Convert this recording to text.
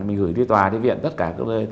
mình gửi đi tòa đi viện tất cả